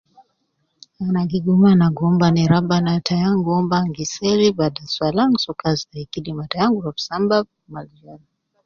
Ana gi gum ana gi womba ne rabbana tai ana gi womba ana gi seli bada swalah ana soo kazi ta kidima tai ,ana gu rua fi samba